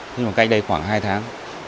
thế nhưng mà cách đây khoảng hai tháng